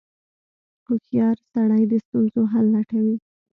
• هوښیار سړی د ستونزو حل لټوي.